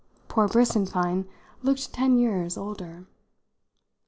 Poor Briss, in fine, looked ten years older.